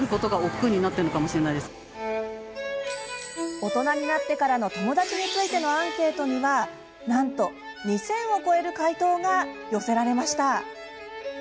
大人になってからの友達についてのアンケートにはなんと２０００を超える回答が寄せられました。